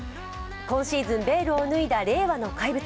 今シーズン、ベールを脱いだ令和の怪物。